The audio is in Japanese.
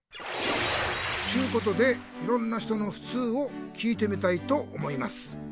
ちゅうことでいろんな人のふつうを聞いてみたいと思います。